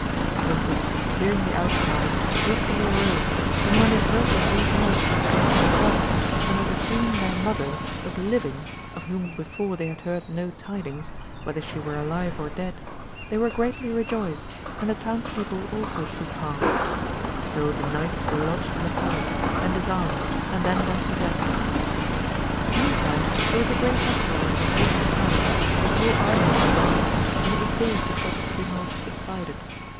The princes hearing the dutcry, hastily arose, and when they heard that these knights were come to their help, and that the queen their mother was living, of whom before they had heard no tidings, whether she were alive or dead, they were greatly rejoiced, and the town's people also took heart; so the knights were lodged in the palace, and disarmed, and then went to rest. Meantime there was a great uproar iu AMADIS OF GAUL 271 the duke's camp, the whole anny were alarmed, and it was day before the tumult subsided.